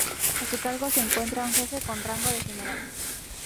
A su cargo se encuentra un Jefe con rango de General.